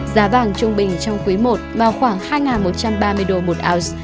giá vàng trung bình trong quý i vào khoảng hai một trăm ba mươi đô một